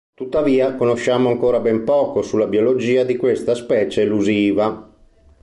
Tuttavia, conosciamo ancora ben poco sulla biologia di questa specie elusiva.